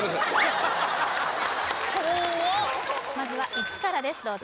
まずは１からです